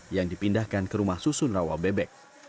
yang dipindahkan ke rumah susun rawabebek